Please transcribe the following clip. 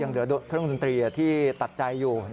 เหลือเครื่องดนตรีที่ตัดใจอยู่